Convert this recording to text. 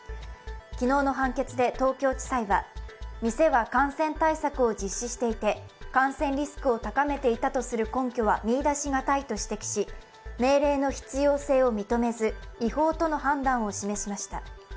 昨日の判決で東京地裁は、店は感染対策を実施していて感染リスクを高めていたとする根拠は見いだしがたいと指摘し、命令の必要性を認めず、違法との判断を示しました。